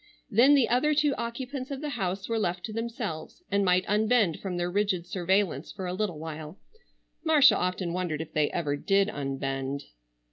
Then the other two occupants of the house were left to themselves and might unbend from their rigid surveillance for a little while. Marcia often wondered if they ever did unbend.